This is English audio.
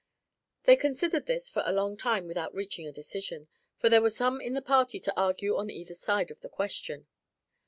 They considered this for a long time without reaching a decision, for there were some in the party to argue on either side of the question.